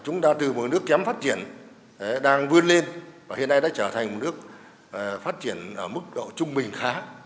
chúng ta từ một nước kém phát triển đang vươn lên và hiện nay đã trở thành một nước phát triển ở mức độ trung bình khá